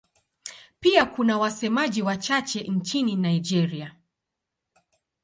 Pia kuna wasemaji wachache nchini Nigeria.